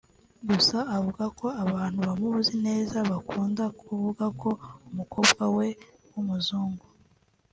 Gusa avuga ko abantu bamuzi neza bakunda kuvuga ko umukobwa we w’umuzungu